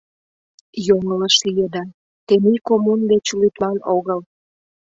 — Йоҥылыш лийыда, тений коммун деч лӱдман огыл...